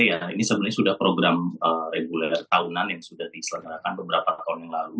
ya ini sebenarnya sudah program reguler tahunan yang sudah diselenggarakan beberapa tahun yang lalu